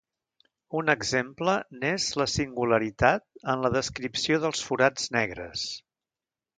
Un exemple n'és la singularitat en la descripció dels forats negres.